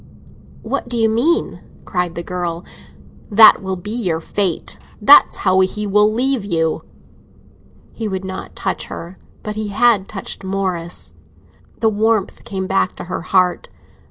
"What do you mean?" cried the girl. "That will be your fate—that's how he will leave you." He would not touch her, but he had touched Morris. The warmth came back to her heart.